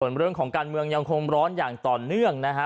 ส่วนเรื่องของการเมืองยังคงร้อนอย่างต่อเนื่องนะฮะ